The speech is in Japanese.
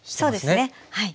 そうですねはい。